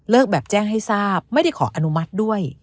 แบบแจ้งให้ทราบไม่ได้ขออนุมัติด้วย